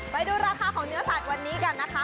ไปดูราคาของเนื้อสัตว์วันนี้กันนะคะ